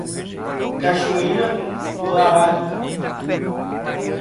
Cachoeira do Arari